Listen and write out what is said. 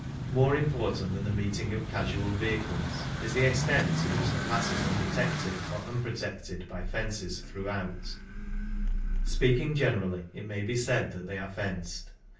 More important than the meeting ot casual vehicles is the extent to which the passes are protected or unprotected by fences throughout Speaking generally, it may be said that they are fenced.